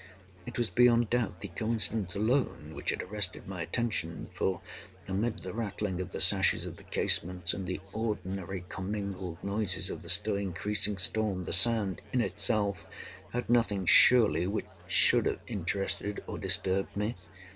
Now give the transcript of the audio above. It was, beyond doubt, the coincidence alone which had arrested my attention; for, amid the rattling of the sashes of the casements, and the ordinary commingled noises of the still increasing storm, the sound, in itself, had nothing, surely, which should have interested or disturbed me.